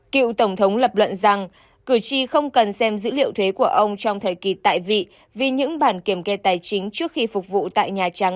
cựu tổng thống lập luận rằng cử tri không cần xem dữ liệu thuế của ông trong thời kỳ tại vị vì những bản kiểm kê tài chính trước khi phục vụ tại nhà trắng